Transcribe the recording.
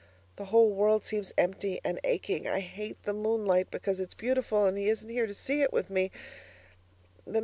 The whole world seems empty and aching. I hate the moonlight because it's beautiful and he isn't here to see it with me.